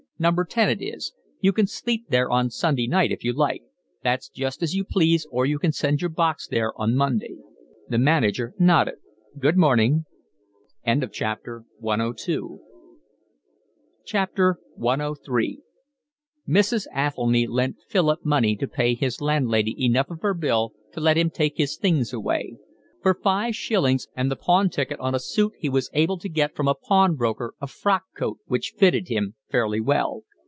Number ten, it is. You can sleep there on Sunday night, if you like; that's just as you please, or you can send your box there on Monday." The manager nodded: "Good morning." CIII Mrs. Athelny lent Philip money to pay his landlady enough of her bill to let him take his things away. For five shillings and the pawn ticket on a suit he was able to get from a pawnbroker a frock coat which fitted him fairly well.